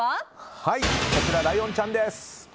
こちらライオンちゃんです。